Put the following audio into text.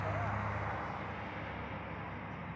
维拉港和卢甘维尔有一些的士和小型巴士。